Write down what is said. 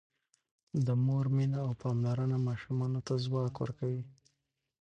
د مور مینه او پاملرنه ماشومانو ته ځواک ورکوي.